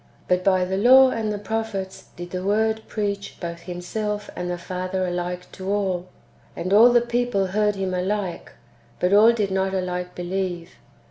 But by the law and the prophets did the Word preach both Himself and the Father alike [to all] ; and all the people heard Him alike, but all did not alike believe.